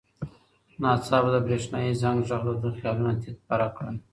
ناڅاپه د برېښنایي زنګ غږ د ده خیالونه تیت پرک کړل.